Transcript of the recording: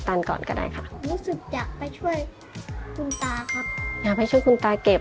อยากให้ช่วยคุณตาเก็บ